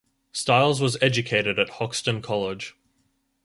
Styles was educated at Hoxton College.